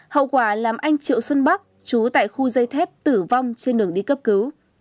hậu quả làm anh triệu xuân bắc chú tại khu dây thép tử vong trên đường đi cấp cứu